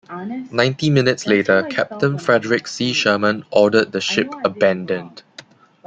Ninety minutes later, Captain Frederick C. Sherman ordered the ship abandoned.